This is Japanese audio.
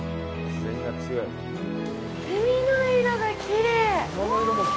海の色がきれい。